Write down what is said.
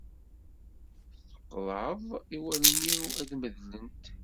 Tqeḍɛeḍ i wallen-iw ad medlent.